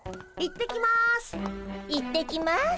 行ってきます。